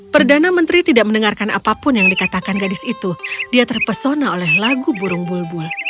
perdana menteri tidak mendengarkan apapun yang dikatakan gadis itu dia terpesona oleh lagu burung bulbul